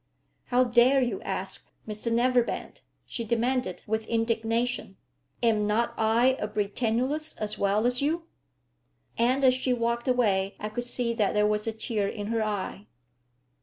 "How dare you ask, Mr Neverbend?" she demanded, with indignation. "Am not I a Britannulist as well as you?" And as she walked away I could see that there was a tear in her eye.